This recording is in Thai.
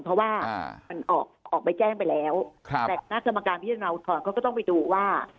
เพราะว่ามันออกไปแจ้งไปแล้วแต่คณะกรรมการพิจารณาอุทธรณ์เขาก็ต้องไปดูว่า